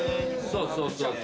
そうそう。